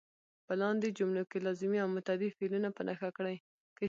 په لاندې جملو کې لازمي او متعدي فعلونه په نښه کړئ.